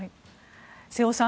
瀬尾さん